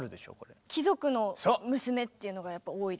「貴族の娘」っていうのがやっぱ多いですね。